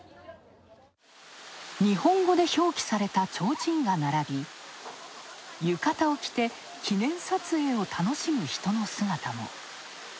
日本語で表記された提灯が並び浴衣を着て記念撮影を楽しむ人の姿も。